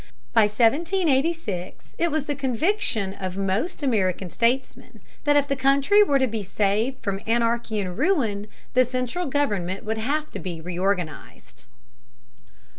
By 1786 it was the conviction of most American statesmen that if the country were to be saved from anarchy and ruin the central government would have to be reorganized.